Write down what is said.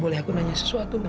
boleh aku nanya sesuatu nggak